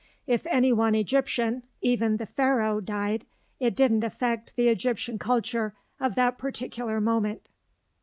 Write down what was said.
If any one Egyptian, even the Pharaoh, died, it didn't affect the Egyptian culture of that particular moment.